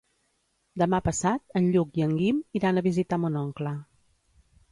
Demà passat en Lluc i en Guim iran a visitar mon oncle.